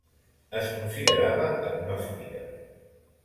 Es considerava agnòstica.